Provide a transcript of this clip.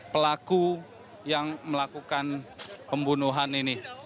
pelaku yang melakukan pembunuhan ini